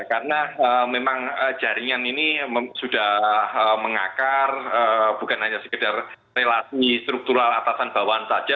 karena memang jaringan ini sudah mengakar bukan hanya sekedar relasi struktural atasan bawaan saja